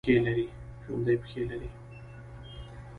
ژوندي پښې لري